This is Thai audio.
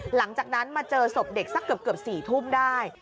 หลังจากนั้นมาเจอศพเด็กสักเกือบ๔ทุ่มได้